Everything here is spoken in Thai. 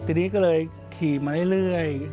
ทีนี้ก็เลยขี่มาเรื่อย